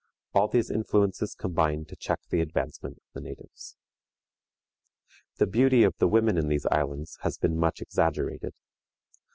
All these influences combine to check the advancement of the natives. The beauty of the women in these islands has been much exaggerated.